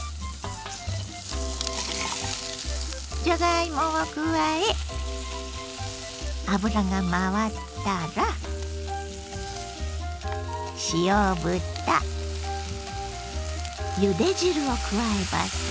じゃがいもを加え油が回ったら塩豚ゆで汁を加えます。